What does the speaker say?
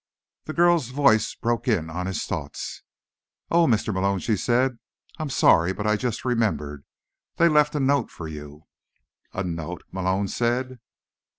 The girl's voice broke in on his thoughts. "Oh, Mr. Malone," she said, "I'm sorry, but I just remembered. They left a note for you." "A note?" Malone said.